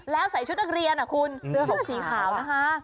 แล้วใส่ชุดนักเรียนคุณเรือหกสีขาวนะคะ